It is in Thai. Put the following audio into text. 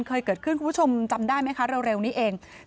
เคยเกิดขึ้นคุณผู้ชมจำได้ไหมคะเร็วนี้เอง